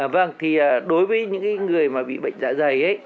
vâng thì đối với những người mà bị bệnh dạ dày